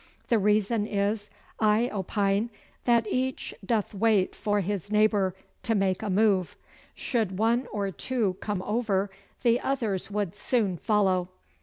The reason is, I opine, that each doth wait for his neighbour to make a move. Should one or two come over the others would soon follow.